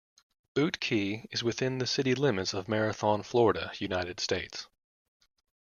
Boot Key is within the city limits of Marathon, Florida, United States.